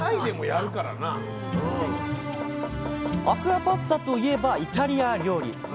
アクアパッツァといえばイタリア料理。